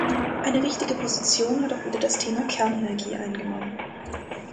Eine wichtige Position hat auch wieder das Thema Kernenergie eingenommen.